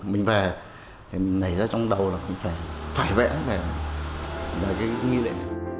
mình về mình nảy ra trong đầu là phải vẽ về là cái nghi lễ